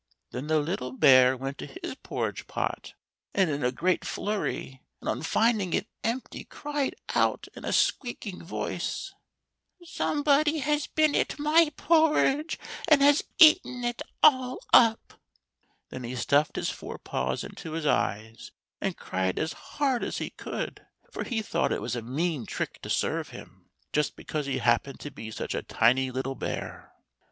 Then the little bear went to his porridge pot in a great flurry, and on finding it empty, cried out in a squeaking voice :" Somebody has been at my porridge , and has eaten it all up l" Then he stuffed his fore paws into his eyes, and cried as hard as he could, for he thought it was a mean trick to serve him, just because he happened to be such a tiny little bear.